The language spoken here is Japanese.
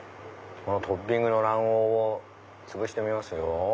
このトッピングの卵黄をつぶしてみますよ。